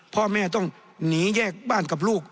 พ่อแม่ต้องหนีแยกบ้านกับลูก